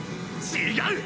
違う！